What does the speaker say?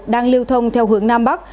đang lưu thông theo hướng nam bắc